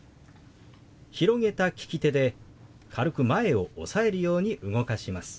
広げた利き手で軽く前を押さえるように動かします。